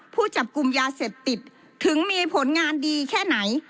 ผู้จับกลุ่มยาเสพติดถึงมีผลงานดีแค่ไหน